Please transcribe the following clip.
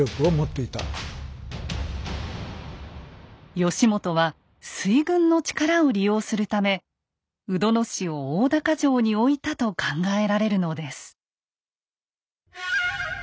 義元は水軍の力を利用するため鵜殿氏を大高城に置いたと考えられるのです。